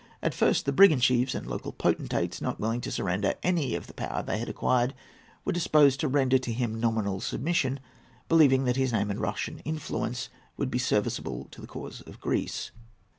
At first the brigand chiefs and local potentates, not willing to surrender any of the power they had acquired, were disposed to render to him nominal submission, believing that his name and his Russian influence would be serviceable to the cause of Greece.